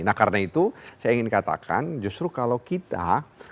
nah karena itu saya ingin katakan justru kalau kita memberikan informasi impian